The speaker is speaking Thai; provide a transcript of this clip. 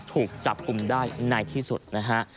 ถูกจับกลุ่มได้ในที่สุดนะฮะ